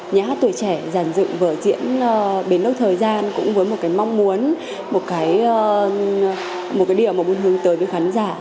nhà hát tuổi trẻ giàn dựng vở diễn bến nước thời gian cũng với một cái mong muốn một cái điều mà muốn hướng tới với khán giả